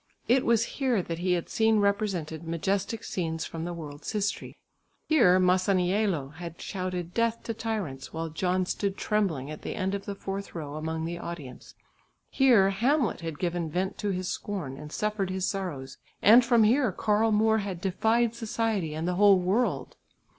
It was here that he had seen represented majestic scenes from the world's history; here Masaniello had shouted "Death to Tyrants" while John stood trembling at the end of the fourth row among the audience; here Hamlet had given vent to his scorn and suffered his sorrows, and from here Karl Moor had defied society and the whole world.